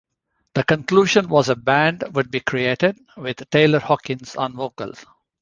The conclusion was a band would be created, with Taylor Hawkins on vocals.